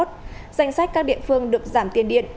danh sách các địa phương được giảm tiền điện